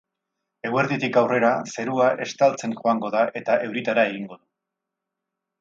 Eguerditik aurrera zerua estaltzen joango da eta euritara egingo du.